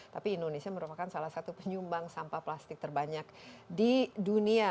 tapi indonesia merupakan salah satu penyumbang sampah plastik terbanyak di dunia